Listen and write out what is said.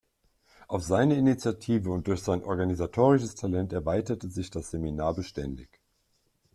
Auf seine Initiative und durch sein organisatorisches Talent erweiterte sich das Seminar beständig.